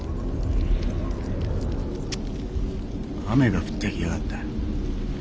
雨が降ってきやがった。